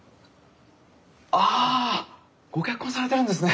ああご結婚されてるんですね。